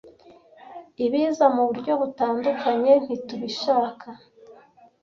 Ibiza muburyo butandukanye ntitubishaka